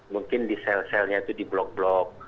mungkin di sel selnya itu di blok blok